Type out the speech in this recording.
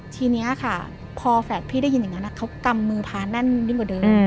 ทีนี้ค่ะพอแฝดพี่ได้ยินอย่างนั้นเขากำมือพาแน่นยิ่งกว่าเดิม